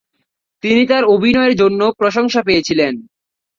তিনি তার অভিনয়ের জন্য প্রশংসা পেয়েছিলেন।